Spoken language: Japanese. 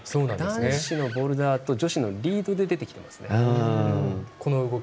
男子のボルダーと女子のリードで出てきていますね。